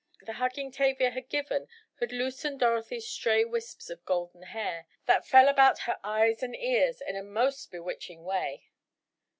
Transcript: The hugging Tavia had given had loosened Dorothy's stray wisps of golden hair, that fell about her eyes and ears in a most bewitching way.